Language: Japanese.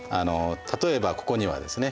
例えばここにはですね